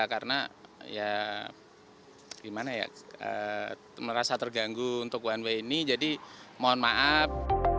karena merasa terganggu untuk one way ini jadi mohon maaf